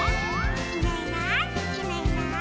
「いないいないいないいない」